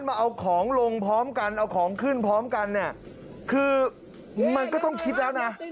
มาเอาของลงพร้อมกันเอาของขึ้นพร้อมกันเนี่ยคือมันก็ต้องคิดแล้วนะ